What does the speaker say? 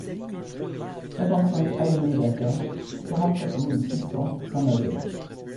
cinquante-cinq allée Louis Daquin, quarante-quatre mille six cents Saint-Nazaire